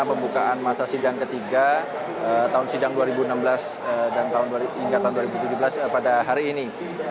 pembukaan masa sidang ketiga tahun sidang dua ribu enam belas dan hingga tahun dua ribu tujuh belas pada hari ini